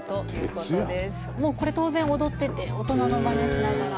これ当然踊ってて大人のまねしながら。